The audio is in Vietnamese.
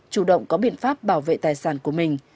chủ động có biện pháp bảo vệ tài sản